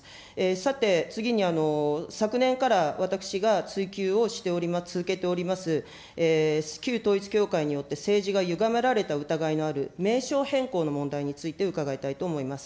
さて、次に、昨年から私が追及をして続けております、旧統一教会によって政治がゆがめられた疑いのある名称変更の問題について伺いたいと思います。